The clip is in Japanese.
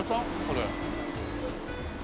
これ。